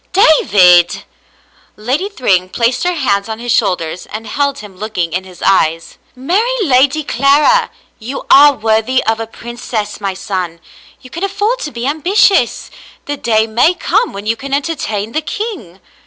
"David !" Lady Thryng placed her hands on his shoul ders and held him, looking in his eyes. " Marry Lady Clara. You are worthy of a princess, my son. You can afford to be ambitious. The day may come when you can entertain the king."